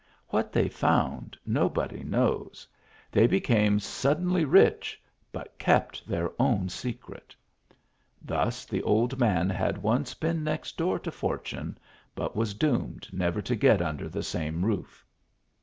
What they found nobody knows ; they be came suddenly rich, but kept their own secret. Thus the old man had once been next door to fortune, but was doomed. never to get under the same roof.